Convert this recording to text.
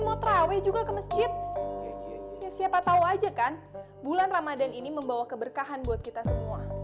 mau terawih juga ke masjid siapa tahu aja kan bulan ramadhan ini membawa keberkahan buat kita semua